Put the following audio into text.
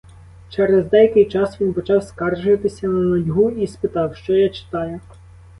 Через деякий час він почав скаржитися на нудьгу і спитав, що я читаю.